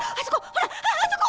ほらあそこ！